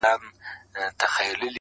• سپينه خولگۍ راپسي مه ږغوه.